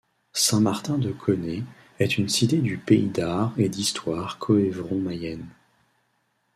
Saint-Martin-de-Connée est une cité du Pays d'art et d'histoire Coëvrons-Mayenne.